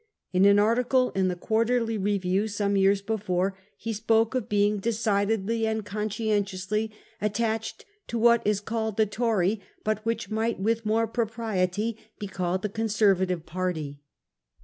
In an article in the 1 Quarterly Review,' some years before, he spoke of being decidedly and conscientiously at tached £ to what is called the Tory, but which might with more propriety be called the Conservative party.